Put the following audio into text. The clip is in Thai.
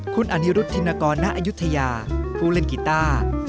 คุณอนิรุธินกรณะอยุธยาผู้เล่นกีตาร์